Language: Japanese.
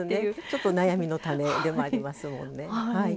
ちょっと悩みの種でもありますもんね。